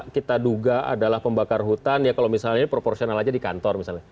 kita duga adalah pembakar hutan ya kalau misalnya ini proporsional aja di kantor misalnya